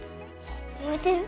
燃えてる？